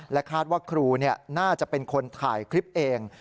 คาดว่าครูน่าจะเป็นคนถ่ายคลิปเอง